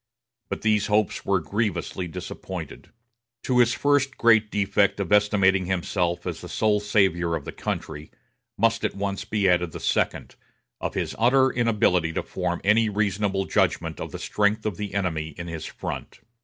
But these hopes were grievously disappointed. To his first great defect of estimating himself as the sole savior of the country, must at once be added the second, of his utter inability to form any reasonable judgment of the strength of the enemy in his front.